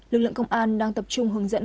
lực lượng công an đang tập trung hướng dẫn